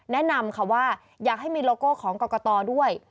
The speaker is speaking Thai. แนะนำค่ะว่าอยากให้มีโลโก้ของกรกตด้วย